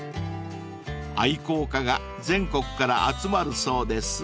［愛好家が全国から集まるそうです］